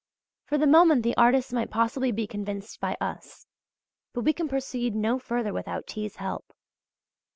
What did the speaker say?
For the moment the artists might possibly be convinced by us; but we can proceed no further without T.'s help.